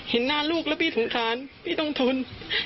เห็นหน้าลูกแล้วพี่สงสารพี่ต้องทน